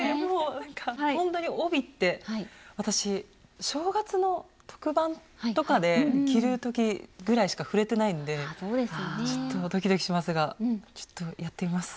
ほんとに帯って私正月の特番とかで着る時ぐらいしか触れてないんでちょっとドキドキしますがちょっとやってみます。